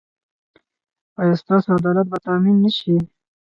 ایا ستاسو عدالت به تامین نه شي؟